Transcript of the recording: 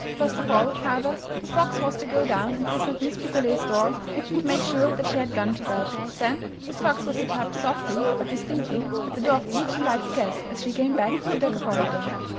First of all, however, The Fox was to go down and listen at Miss Picolet's door to make sure that she had gone to bed. Then Miss Cox was to tap softly but distinctly at the door of each invited guest as she came back to their corridor.